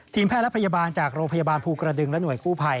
แพทย์และพยาบาลจากโรงพยาบาลภูกระดึงและหน่วยกู้ภัย